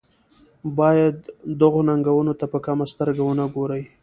باید دغو ننګونو ته په کمه سترګه ونه ګوري.